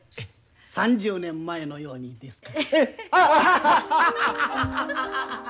３０年前のようにですか？